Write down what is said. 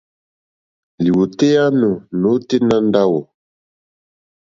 Lìwòtéyá nù nôténá ndáwò.